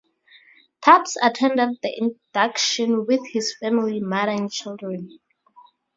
Tubbs attended the induction with his family, mother and children.